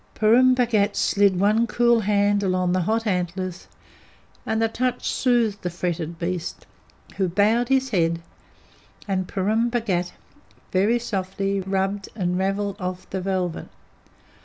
Purun Bhagat slid one cool hand along the hot antlers, and the touch soothed the fretted beast, who bowed his head, and Purun Bhagat very softly rubbed and ravelled off the velvet.